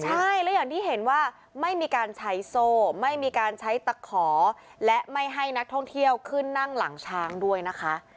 ใช่แล้วอย่างที่เห็นว่าไม่มีการใช้โซ่ไม่มีการใช้ตะขอและไม่ให้นักท่องเที่ยวขึ้นนั่งหลังช้างด้วยนะคะ